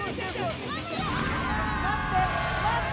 待って待って！